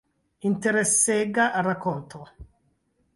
Interesega rakonto.